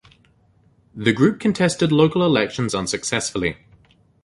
The group contested local elections unsuccessfully.